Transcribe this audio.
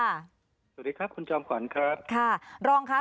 สวัสดีครับคุณจอมขวัญครับ